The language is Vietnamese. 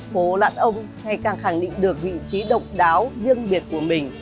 phố lạn ông ngày càng khẳng định được vị trí độc đáo riêng biệt của mình